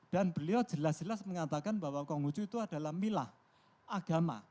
beliau jelas jelas mengatakan bahwa konghucu itu adalah milah agama